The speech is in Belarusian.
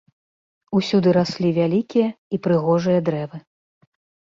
Усюды раслі вялікія і прыгожыя дрэвы.